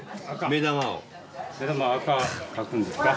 目玉あか描くんですか。